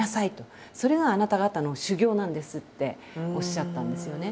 「それがあなた方の修行なんです」っておっしゃたんですよね。